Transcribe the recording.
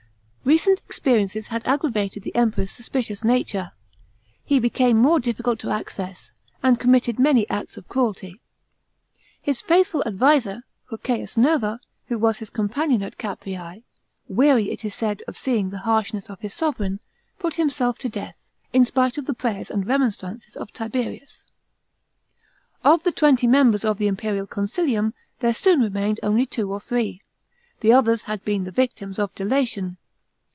Kecent experiences had aggravated the Emperor's suspicious nature. He became more difficult of access, and committed many acts of cruelty. His faithful adviser, Cocceius Nerva, who was his companion at Caprere, weary, it is said, of seeing the harshness ot his sovran, put himself to death, in spite of the prayers and remonstrances of Tiberius. Of the twenty members of the imperial consilium there soon remained only two or three; the others had been the victims of delation.